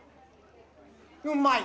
うまい！